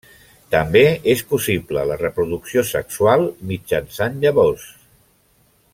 També és possible la reproducció sexual mitjançant llavors.